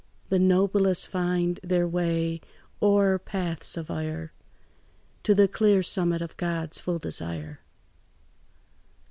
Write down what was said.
The noblest find their way o'er paths of ire To the clear summit of God's full desire."